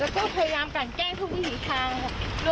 แล้วก็พยายามกันแกล้งทุกวิถีทาง